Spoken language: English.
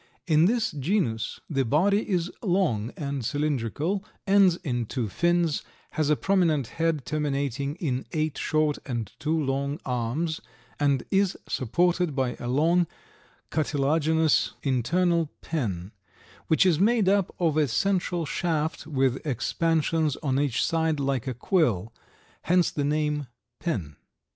In this genus the body is long and cylindrical, ends in two fins, has a prominent head terminating in eight short and two long arms and is supported by a long, cartilaginous, internal pen, which is made up of a central shaft with expansions on each side like a quill, hence the name "pen."